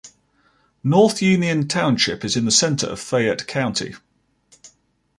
North Union Township is in the center of Fayette County.